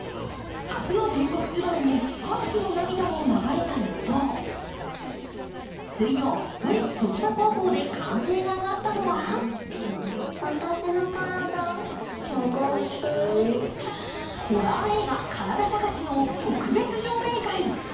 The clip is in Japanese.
初の全国ツアーに歓喜の涙も流れた一方水曜、都立豊島高校で歓声が上がったのはホラー映画「カラダ探し」の特別上映会。